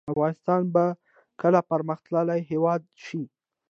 افغانستان به کله پرمختللی هیواد شي؟